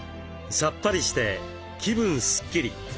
さっぱりして気分すっきり！